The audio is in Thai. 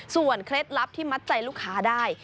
เคล็ดลับที่มัดใจลูกค้าได้